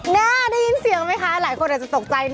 ได้ยินเสียงไหมคะหลายคนอาจจะตกใจ